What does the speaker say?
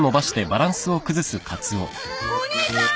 お兄さん！